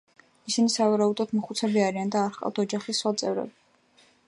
ისინი, სავარაუდოდ, მოხუცები არიან და არ ჰყავთ ოჯახის სხვა წევრები.